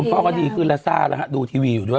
พ่อก็ดีขึ้นแล้วทราบแล้วฮะดูทีวีอยู่ด้วย